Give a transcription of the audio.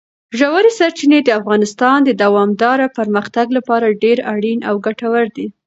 ژورې سرچینې د افغانستان د دوامداره پرمختګ لپاره ډېر اړین او ګټور دي.